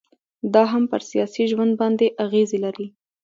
دا هم پر سياسي ژوند باندي اغيزي لري